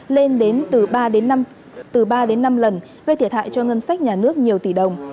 lên đến từ ba đến năm lần gây thiệt hại cho ngân sách nhà nước nhiều tỷ đồng